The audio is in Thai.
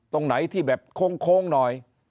ตรงไหนที่แบบโค้งหน่อย